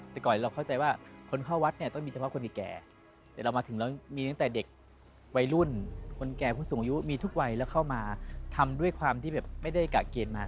แต่ก่อนเราเข้าใจว่าคนเข้าวัดเนี่ยต้องมีเฉพาะคนแก่แต่เรามาถึงแล้วมีตั้งแต่เด็กวัยรุ่นคนแก่ผู้สูงอายุมีทุกวัยแล้วเข้ามาทำด้วยความที่แบบไม่ได้กะเกณฑ์มา